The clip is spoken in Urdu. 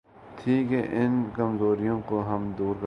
تھی کہ ان کمزوریوں کو ہم دور کرتے۔